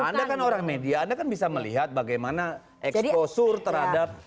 anda kan orang media anda kan bisa melihat bagaimana eksplosure terhadap